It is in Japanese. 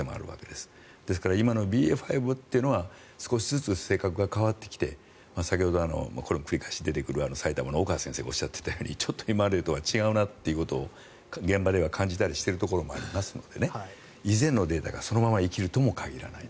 ですから今のＢＡ．５は少しずつ性格が変わってきて先ほど、繰り返し出てきている埼玉の岡先生がおっしゃっていたようにちょっと今までとは違うなと現場では感じているところもあるようなので以前のデータがそのまま生きるとも限らない。